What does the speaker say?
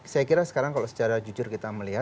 saya kira sekarang kalau secara jujur kita melihat